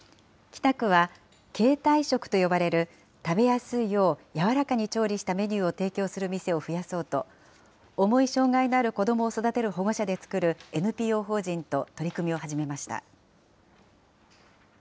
北区は、形態食と呼ばれる、食べやすいよう柔らかに調理したメニューを提供する店を増やそうと、重い障害のある子どもを育てる保護者で作るＮＰＯ法人と取り組みを始めました。